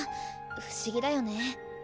不思議だよね。